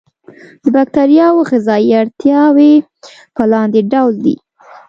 د باکتریاوو غذایي اړتیاوې په لاندې ډول دي.